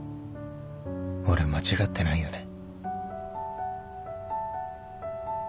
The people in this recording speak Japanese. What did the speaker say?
俺間違ってないよね